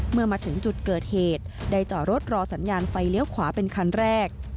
เมื่อมาถึงจุดเกิดเหตุได้จอดรถรอสัญญาณไฟเลี้ยวขวาเป็นคันแรก